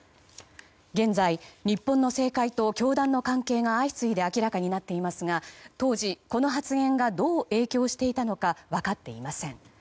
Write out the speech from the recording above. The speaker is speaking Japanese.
現在、日本の政界と教団の関係が相次いで明らかになっていますが当時、この発言がどう影響していたのか分かっていません。